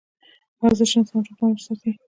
ورزش انسان روغ رمټ ساتي